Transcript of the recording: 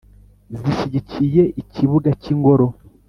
zishyigikiye ikibuga cy’Ingoro.